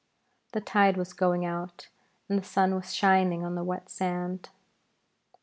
The tide was going out, and the sun was shining on the wet sand.